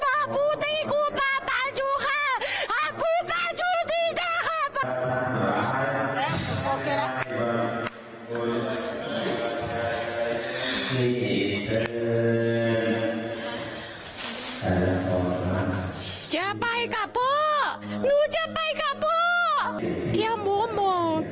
หนูจะไปกับพี่ตายหนูจะไปกับพี่ตายเดี๋ยวโม้